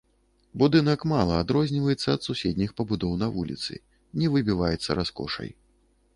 Будынак мала адрозніваецца ад суседніх пабудоў на вуліцы, не выбіваецца раскошай.